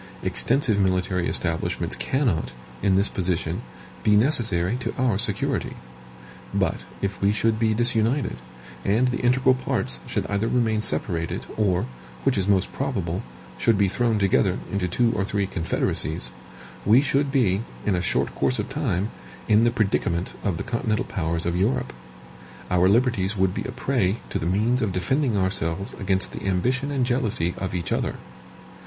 Extensive military establishments cannot, in this position, be necessary to our security. But if we should be disunited, and the integral parts should either remain separated, or, which is most probable, should be thrown together into two or three confederacies, we should be, in a short course of time, in the predicament of the continental powers of Europe our liberties would be a prey to the means of defending ourselves against the ambition and jealousy of each other.